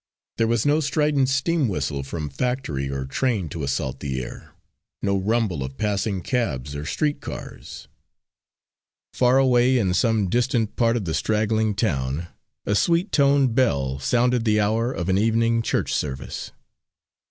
There was no strident steam whistle from factory or train to assault the ear, no rumble of passing cabs or street cars. Far away, in some distant part of the straggling town, a sweet toned bell sounded the hour of an evening church service.